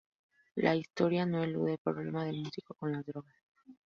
La historia no elude el problema del músico con las drogas.